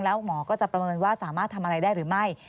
แล้วหมอก็จะประเมินว่าสามารถทำอะไรได้หรือไม่